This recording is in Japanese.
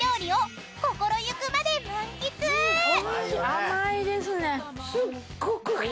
甘いですね！